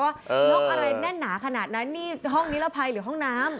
ยกอะไรแน่นหนาขนาดนั้นนี่ห้องนิรภัยหรือห้องน้ำ